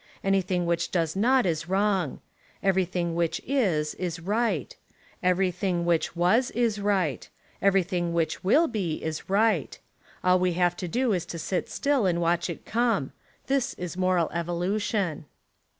Anything which does not is wrong. Everything which is, is right; everything which was, is right; everything which will be, is right. All we have to do Is to sit still and watch it come. This is moral evolution.